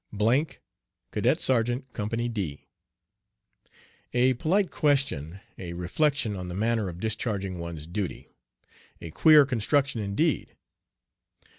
", Cadet Sergeant Company "D." A polite question a reflection on the manner of discharging one's duty! A queer construction indeed!